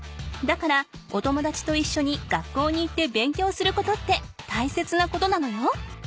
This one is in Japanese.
だからお友だちといっしょに学校に行って勉強することって大切なことなのよ。